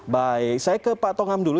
baik saya ke pak tongam dulu